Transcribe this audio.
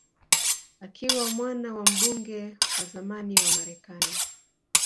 Akiwa mwana wa mbunge wa zamani wa Marekani